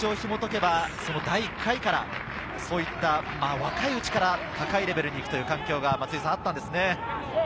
歴史をひもとけば第１回から、こういった若いうちから高いレベルに行くという環境があったんですね。